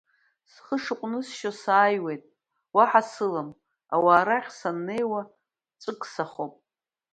Схы шыҟәнысшьо сааиуеит, уаҳа сылам, ауаа рахь саннеиуа ҵәык сахоуп.